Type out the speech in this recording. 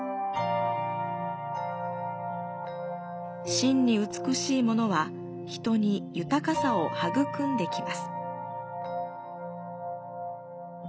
真に美しいものは人に豊かさを育んできます。